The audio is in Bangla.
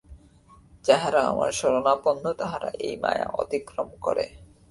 যাহারা আমার শরণাপন্ন, তাহারা এই মায়া অতিক্রম করে।